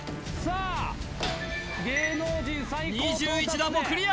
２１段もクリア